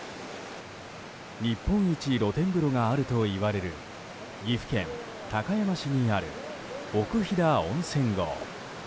日本一露天風呂があるといわれる岐阜県高山市にある奥飛騨温泉郷。